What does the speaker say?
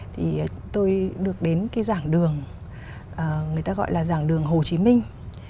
thì tôi được đến cái dạng đường người ta gọi là dạng đường hồ chí minh